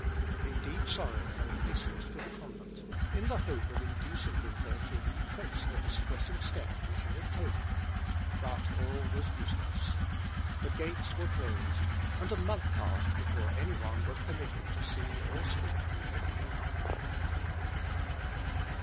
In deep sorrow they hastened to the convent, in the hope of inducing Luther to retrace the distressing step which he had taken; but all was useless. The gates were closed, and a month passed before any one was permitted to see or speak to the new monk.